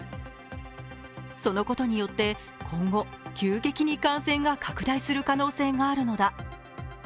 そのことによって今後、急激に感染が拡大する可能性があるのだ。